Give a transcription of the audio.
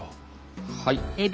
はい。